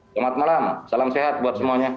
selamat malam salam sehat buat semuanya